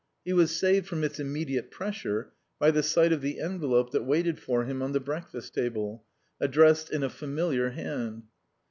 He was saved from its immediate pressure by the sight of the envelope that waited for him on the breakfast table, addressed in a familiar hand.